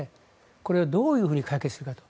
これをどういうふうに解決するか。